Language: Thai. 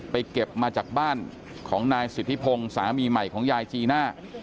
เก็บมาจากบ้านของนายสิทธิพงศ์สามีใหม่ของยายจีน่า